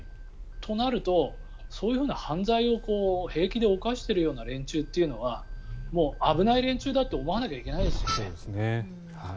となるとそういう犯罪を平気で犯しているような連中はもう危ない連中だと思わなきゃいけないですよね。